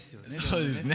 そうですね。